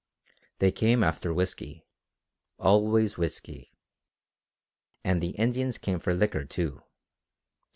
They came after whisky. Always whisky. And the Indians came for liquor, too.